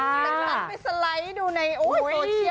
แล้วตัดไปสไลด์ดูในโทรเชียลเนี่ย